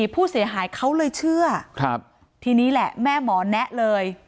ผู้เสียหายเขาเลยเชื่อทีนี้แหละแม่หมอแนะเลย